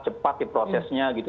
cepat di prosesnya gitu